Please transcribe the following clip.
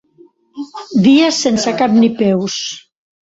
Dies sense ni cap ni peus.